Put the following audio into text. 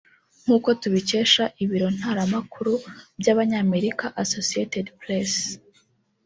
nk’uko tubikesha ibiro ntara makuru by’Abanyamerika Associated Press